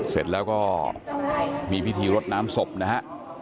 เสร็จแล้วก็มีพิธีรดน้ำศพนะฮะ